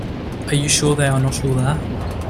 Are you sure they are not all there?